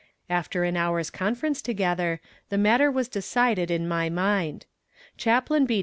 After an hour's conference together the matter was decided in my mind. Chaplain B.